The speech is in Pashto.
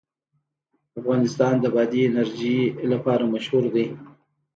افغانستان د بادي انرژي لپاره مشهور دی.